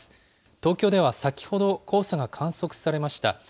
東京では先ほど、黄砂が観測されました。